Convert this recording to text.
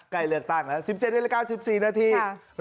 ใกล้เลือกตั้งแล้ว๑๗เวลา๑๙นาที